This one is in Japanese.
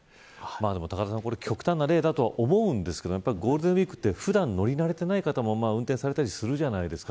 これ極端な例だとは思いますがゴールデンウイークは普段乗り慣れていない方も運転されたりするじゃないですか。